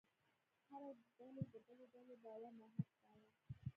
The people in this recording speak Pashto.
هره ډلې د بلې ډلې باور ناحقه ګاڼه.